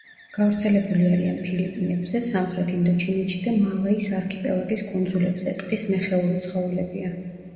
გავრცელებული არიან ფილიპინებზე, სამხრეთ ინდოჩინეთში და მალაის არქიპელაგის კუნძულებზე; ტყის მეხეური ცხოველებია.